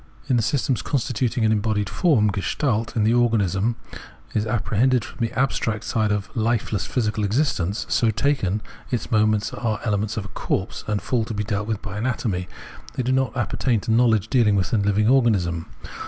In the systems constituting an embodied form [Gestalt) the organism is apprehended from the abstract side of lifeless physical existence : so taken, its moments are elements of a corpse and fall to be dealt with by anatomy ; they do not appertain to knowledge dealing with the hving organism.